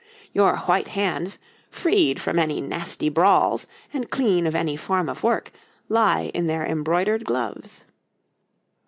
Your white hands, freed from any nasty brawls and clean of any form of work, lie in their embroidered gloves.